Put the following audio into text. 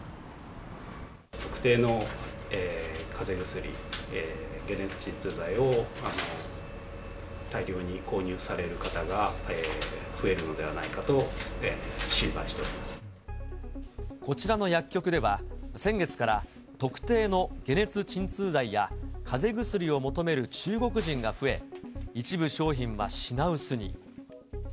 特定のかぜ薬、解熱鎮痛剤を大量に購入される方が増えるのではないかと心配してこちらの薬局では、先月から特定の解熱鎮痛剤やかぜ薬を求める中国人が増え、一部商品は品薄に。